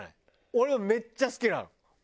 俺はめっちゃ好きなの。